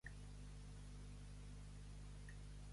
Ser més roín que les veces.